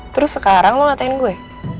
terus sekarang mau ngatain gue